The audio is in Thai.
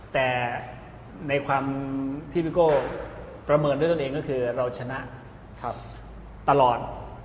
แต่ในความที่พี่โก้ประเมินด้วยตัวเองก็คือเราชนะตลอด